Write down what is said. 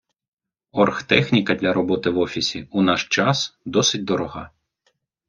Орхтехніка для роботи в офісі у наш час досить дорога